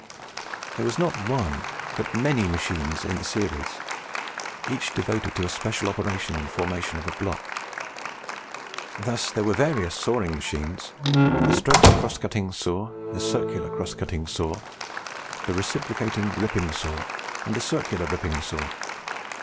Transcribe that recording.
There was not one, but many machines in the series, each devoted to a special operation in the formation of a block. Thus there were various sawing machines, the Straight Cross Cutting Saw, the Circular Cross Cutting Saw, the Reciprocating Ripping saw, and the Circular Ripping Saw.